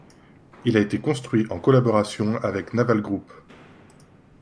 Il a été construit en collaboration avec Naval Group.